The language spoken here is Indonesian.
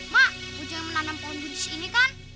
mak ujang yang menanam pohon kunci ini kan